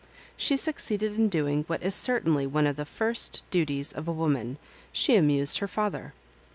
She succeeded in. doing what is certainly one of the first duties of a woman — she amused her father.